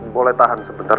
boleh tahan sebentar